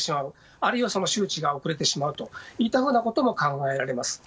あるいは、周知が遅れてしまうというようなことも考えられます。